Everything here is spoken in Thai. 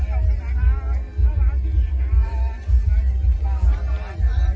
อาหารอีก